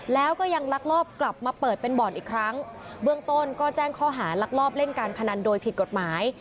แล้วก็ยังลักลอบกลับมาเปิดเป็นบ่อนอีกครั้งเบื้องต้นก็แจ้งข้อหารักลอบเล่นการพนันโดยผิดกฎหมาย